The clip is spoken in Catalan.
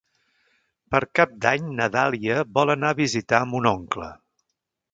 Per Cap d'Any na Dàlia vol anar a visitar mon oncle.